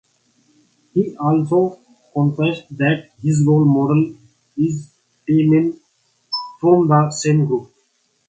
He also confessed that his role model is Taemin from the same group.